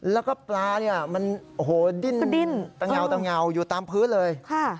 แล้วก็ปลามันดิ้นต่างเงาอยู่ตามพื้นเลย